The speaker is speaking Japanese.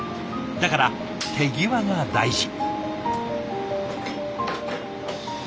だから手際が大事。